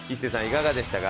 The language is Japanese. いかがでしたか？